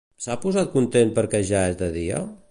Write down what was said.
S'ha posat content perquè ja és de dia?